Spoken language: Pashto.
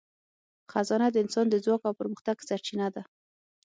خزانه د انسان د ځواک او پرمختګ سرچینه ده.